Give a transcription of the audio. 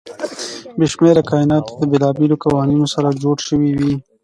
بې شمېره کایناتونه د بېلابېلو قوانینو سره جوړ شوي وي.